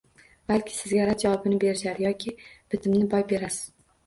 Balki sizga rad javobini berishar yoki bitimni boy berarsiz...